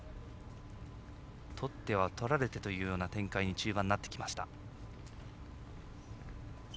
取っては取られてというような展開に中盤なってきました。